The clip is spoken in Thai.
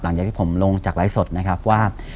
หลังจากที่ผมลงจากไลฟ์สดนะครับว่า